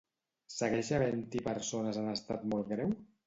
Segueix havent-hi persones en estat molt greu?